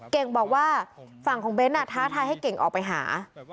เก่งบอกว่าฝั่งของเบ้นท้าทายให้เก่งออกไปหา